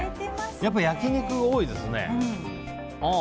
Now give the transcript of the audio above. やっぱり焼き肉が多いですね。